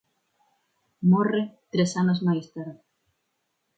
Morre tres anos máis tarde.